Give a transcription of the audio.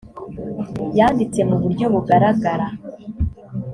yanditse mu buryo bugaragara